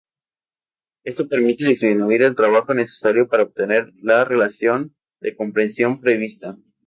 Esto permite disminuir el trabajo necesario para obtener la relación de compresión prevista.